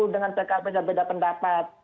dengan pkb beda pendapat